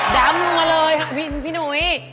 ดับปีนุ้ยมาเลย